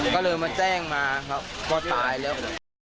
ก็เลยมาแจ้งมาครับว่าตายแล้ว